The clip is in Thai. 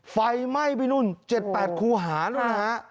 ไฟไหม้ไปนู่น๗๘คูหานู่นนะฮะ